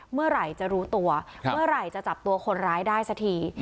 เมื่อไหร่จะรู้ตัวเมื่อไหร่จะจับตัวคนร้ายได้สักที